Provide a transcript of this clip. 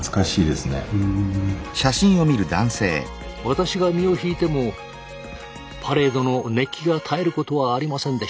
私が身を引いてもパレードの熱気が絶えることはありませんでした。